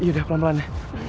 yaudah pelan pelan ya